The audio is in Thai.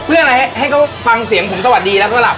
เพื่ออะไรให้เขาฟังเสียงผมสวัสดีแล้วก็หลับ